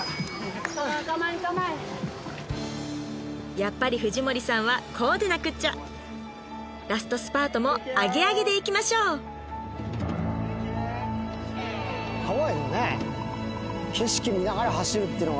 やっぱり藤森さんはこうでなくっちゃラストスパートもアゲアゲでいきましょうハワイのね景色見ながら走るっていうのは